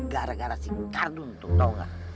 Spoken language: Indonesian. gara gara si kardun tuh tau gak